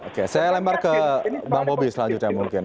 oke saya lempar ke bang bobi selanjutnya mungkin